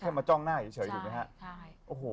แค่มาจ้องหน้าเฉยอยู่ไหมฮะ